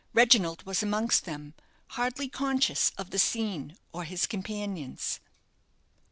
Reginald was amongst them, hardly conscious of the scene or his companions.